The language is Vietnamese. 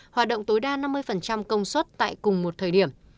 hoạt động tối đa năm mươi công suất tại cùng một thời điểm